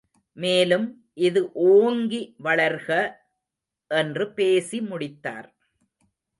மேலும் இது ஓங்கி வளர்க— என்று பேசி முடித்தார்.